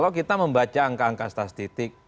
kalau kita membaca angka angka stastitik